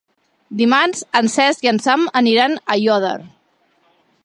Dimarts en Cesc i en Sam aniran a Aiòder.